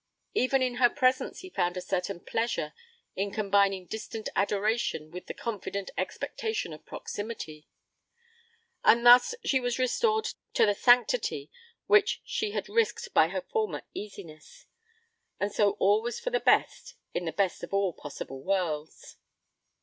Even in her presence he found a certain pleasure in combining distant adoration with the confident expectation of proximity, and thus she was restored to the sanctity which she had risked by her former easiness. And so all was for the best in the best of all possible worlds.